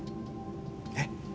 えっ？